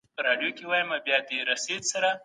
د کندهار په کلتور کي د حج مراسمو ته تګ څنګه لمانځل کېږي؟